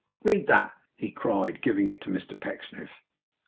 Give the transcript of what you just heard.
'Read that,' he cried, giving it to Mr Pecksniff.